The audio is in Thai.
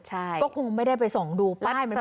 ก็คงไม่ได้ไปส่องดูป้ายมันไม่เหมือนกัน